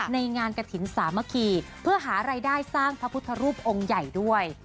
ในงานกระถิ่นสามัคคีเพื่อหารายได้สร้างพระพุทธรูปองค์ใหญ่ด้วย